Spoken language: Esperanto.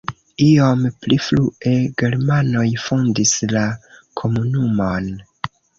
Iom pli frue germanoj fondis la komunumon.